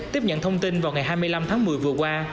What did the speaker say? tiếp nhận thông tin vào ngày hai mươi năm tháng một mươi vừa qua